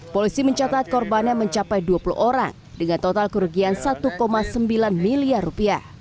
polisi mencatat korbannya mencapai dua puluh orang dengan total kerugian rp satu sembilan miliar